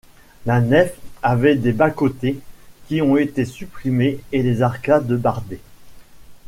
La nef avait des bas-côtés qui ont été supprimés et les arcades bardées.